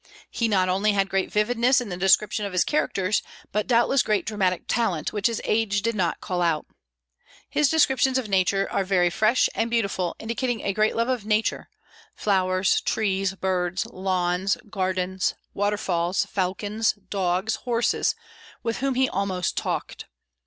He not only had great vividness in the description of his characters, but doubtless great dramatic talent, which his age did not call out. His descriptions of nature are very fresh and beautiful, indicating a great love of nature, flowers, trees, birds, lawns, gardens, waterfalls, falcons, dogs, horses, with whom he almost talked.